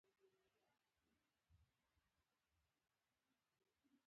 هوښیار خلک د خپل ارزښت نه خبر وي.